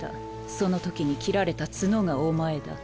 その時に切られたツノがおまえだ。